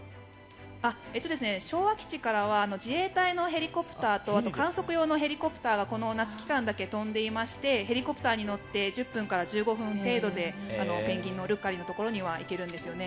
昭和基地からは自衛隊のヘリコプターとあと観測用のヘリコプターがこの夏期間だけ飛んでいましてヘリコプターに乗って１０分から１５分程度でペンギンのルッカリーのところには行けるんですよね。